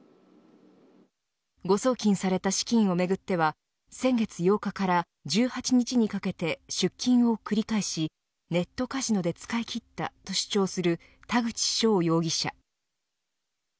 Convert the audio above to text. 誤送金された資金をめぐっては先月８日から１８日にかけて出金を繰り返しネットカジノで使い切ったと主張する田口翔容疑者。